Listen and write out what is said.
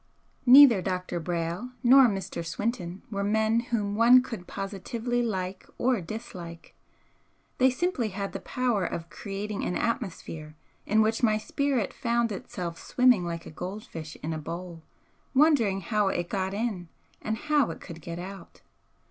Neither Dr. Brayle nor Mr. Swinton were men whom one could positively like or dislike, they simply had the power of creating an atmosphere in which my spirit found itself swimming like a gold fish in a bowl, wondering how it got in and how it could get out.